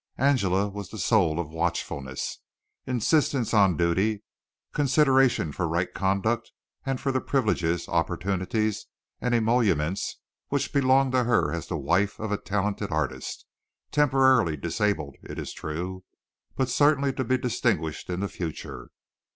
Angela was the soul of watchfulness, insistence on duty, consideration for right conduct and for the privileges, opportunities and emoluments which belonged to her as the wife of a talented artist, temporarily disabled, it is true, but certain to be distinguished in the future.